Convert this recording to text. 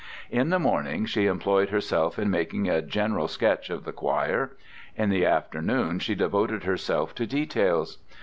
In the morning she employed herself in making a general sketch of the choir; in the afternoon she devoted herself to details.